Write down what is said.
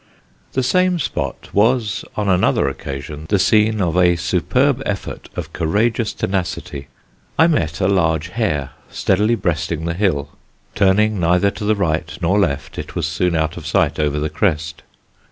The same spot was on another occasion the scene of a superb effort of courageous tenacity. I met a large hare steadily breasting the hill. Turning neither to the right nor left it was soon out of sight over the crest.